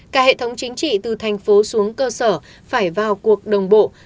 cả hệ thống chính trị từ thành phố xuống cơ sở phải vào cuộc đồng bộ